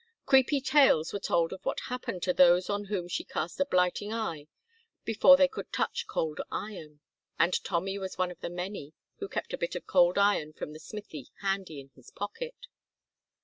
Creepy tales were told of what happened to those on whom she cast a blighting eye before they could touch cold iron, and Tommy was one of many who kept a bit of cold iron from the smithy handy in his pocket.